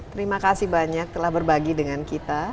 terima kasih banyak telah berbagi dengan kita